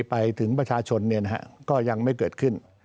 ไปถึงประชาชนก็ยังไม่เกิดขึ้น